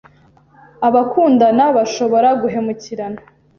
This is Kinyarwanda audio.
abakundana bashobora guhemukirana